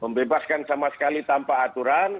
membebaskan sama sekali tanpa aturan